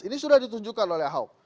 ini sudah ditunjukkan oleh ahok